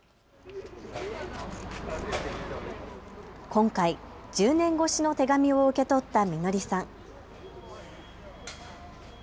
今回、１０年越しの手紙を受け取ったみのりさん。